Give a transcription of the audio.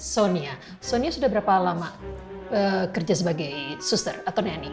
sonia sonia sudah berapa lama kerja sebagai suster atau nenning